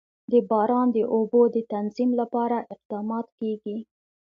د باران د اوبو د تنظیم لپاره اقدامات کېږي.